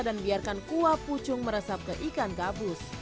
dan biarkan kuah pucung meresap ke ikan gabus